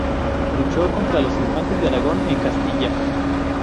Luchó contra los Infantes de Aragón en Castilla.